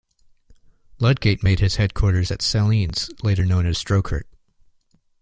Ludgate made his headquarters at Salines, later known as Drocourt.